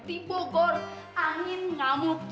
tidak berguna angin ngamuk